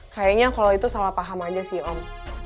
kayaknya kalau itu salah paham aja sih om